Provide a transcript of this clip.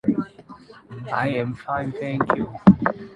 下雨天穿不防水布鞋很難受